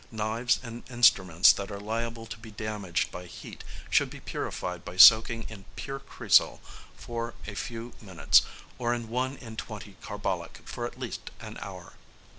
Knives and instruments that are liable to be damaged by heat should be purified by being soaked in pure cresol for a few minutes, or in 1 in 20 carbolic for at least an hour.